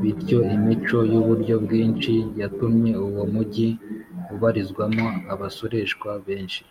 bityo imico y’uburyo bwinshi yatumye uwo mugi ubarizwamo abasoresha benshi